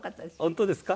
本当ですか？